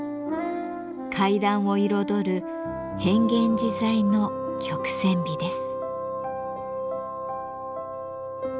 階段を彩る変幻自在の曲線美です。